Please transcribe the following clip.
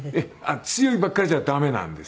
強いばかりじゃ駄目なんですよ。